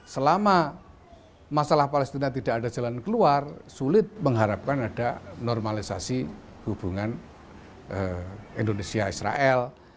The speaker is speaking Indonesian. selama masalah palestina tidak ada jalan keluar sulit mengharapkan ada normalisasi hubungan indonesia israel